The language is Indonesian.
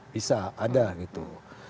bisa ada gitu